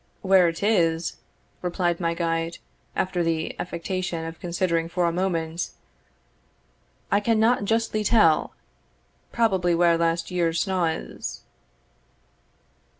"Where it is," replied my guide, after the affectation of considering for a moment, "I cannot justly tell probably where last year's snaw is."